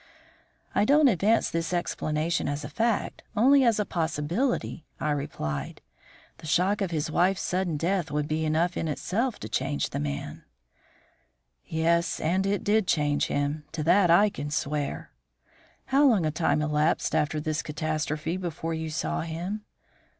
"I don't advance this explanation as a fact, only as a possibility," I replied. "The shock of his wife's sudden death would be enough in itself to change the man." "Yes, and it did change him; to that I can swear." "How long a time elapsed after this catastrophe before you saw him?"